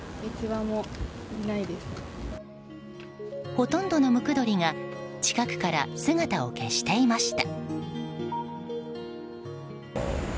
ほとんどのムクドリが近くから姿を消していました。